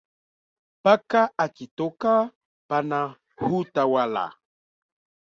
Paka akitoka pana hutawala